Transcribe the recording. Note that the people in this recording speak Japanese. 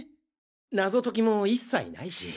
謎解きも一切ないし。